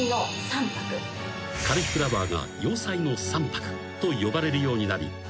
［カリフラワーが洋菜の三白と呼ばれるようになり］